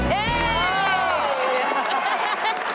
เฮ่ย